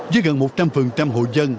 với gần một trăm linh hội dân